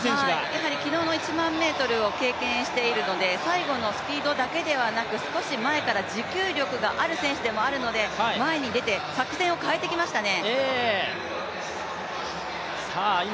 やはり昨日の１００００ｍを経験しているので最後のスピードだけではなく少し前から持久力がある選手でもあるので前に出て、作戦を変えてきましたね